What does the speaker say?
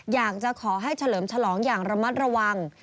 อยากจะขอให้เฉลิมฉลองอย่างระมัดระวัง